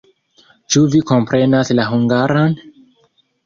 Ĉu vi komprenas la hungaran?